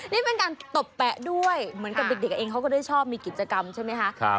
นี่เป็นการตบแปะด้วยเหมือนกับเด็กเองเขาก็ได้ชอบมีกิจกรรมใช่ไหมคะ